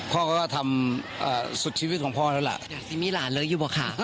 พ่อก็ก็ทำอ่าสุดชีวิตของพ่อแล้วแหละอย่างสิมีหลานเลยอยู่บอกค่ะ